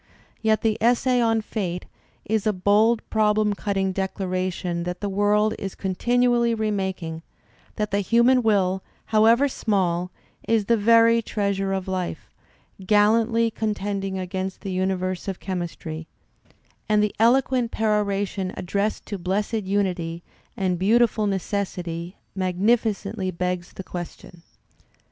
Yet the essay on "Fate" is a bold problem cutting declaration that the world is continuously remaking, that the human will, however small, is the very treasure of life, "gallantly contending against the universe of chemistry"; and the eloquent perora tion addressed to Blessed Unity and Beautiful Necessity magnificently begs the question.